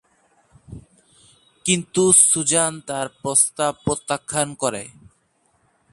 কিন্তু সুজান তার প্রস্তাব প্রত্যাখ্যান করে।